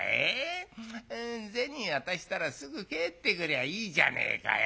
銭渡したらすぐ帰ってくりゃいいじゃねえかよ。